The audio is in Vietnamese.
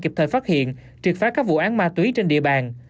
kịp thời phát hiện triệt phá các vụ án ma túy trên địa bàn